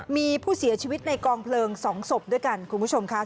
มีผู้เสียชีวิตในกองเพลิง๒ศพด้วยกันคุณผู้ชมค่ะ